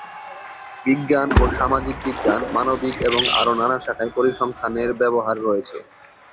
বিজ্ঞান ও সামাজিক বিজ্ঞান, মানবিক এবং আরো নানা শাখায় পরিসংখ্যানের ব্যবহার রয়েছে।